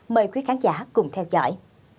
mời quý khán giả cùng theo dõi